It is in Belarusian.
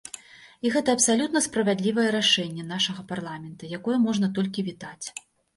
І гэта абсалютна справядлівае рашэнне нашага парламента, якое можна толькі вітаць.